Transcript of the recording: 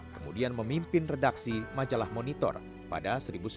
kemudian memimpin redaksi majalah monitor pada seribu sembilan ratus sembilan puluh